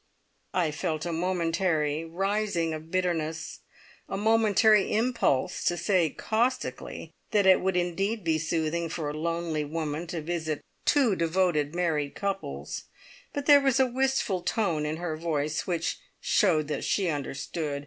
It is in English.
I felt a momentary rising of bitterness, a momentary impulse to say caustically that it would indeed be soothing for a lonely woman to visit two devoted married couples, but there was a wistful tone in her voice which showed that she understood.